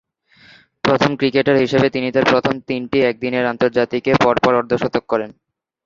প্রথম ক্রিকেটার হিসেবে তিনি তার প্রথম তিনটি একদিনের আন্তর্জাতিকে পরপর অর্ধ-শতক করেন।